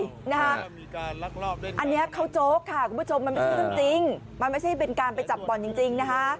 อันนี้เขาโจ๊กค่ะคุณผู้ชมมันไม่ใช่เรื่องจริงมันไม่ใช่เป็นการไปจับบ่อนจริงนะคะ